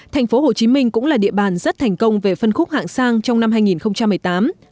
thành phố hồ chí minh cũng là địa bàn rất thành công về phân khúc hạng sang trong năm hai nghìn một mươi tám